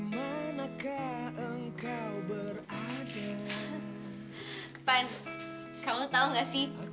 pan kamu tahu nggak sih